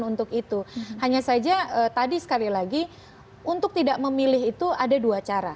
untuk itu hanya saja tadi sekali lagi untuk tidak memilih itu ada dua cara